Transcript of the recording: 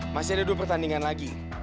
masih ada dua pertandingan lagi